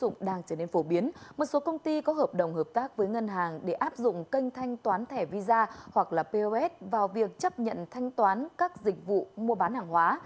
ứng dụng đang trở nên phổ biến một số công ty có hợp đồng hợp tác với ngân hàng để áp dụng kênh thanh toán thẻ visa hoặc là pos vào việc chấp nhận thanh toán các dịch vụ mua bán hàng hóa